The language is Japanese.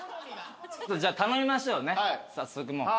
じゃあ頼みましょうね早速もう。